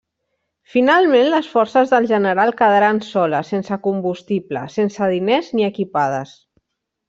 Finalment, les forces del general quedaren soles, sense combustible, sense diners ni equipades.